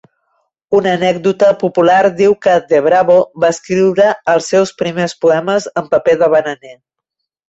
Una anècdota popular diu que Debravo va escriure els seus primers poemes en paper de bananer.